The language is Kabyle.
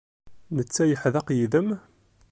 Netta yeḥdeq yid-m?